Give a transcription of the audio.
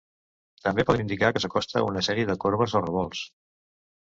També poden indicar que s'acosta una sèrie de corbes o revolts.